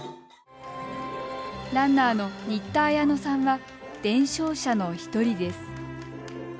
ランナーの新田彩乃さんは伝承者の１人です。